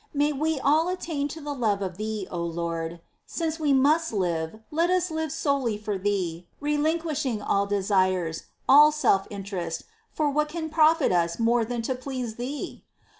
May we all attain to the love of Thee, O Lord ! Since we must live, let us live, solely for Thee, relinquishing all desires, all self interest, for what can profit us more than to please Thee